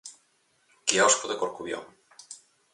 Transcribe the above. Quiosco de Corcubión.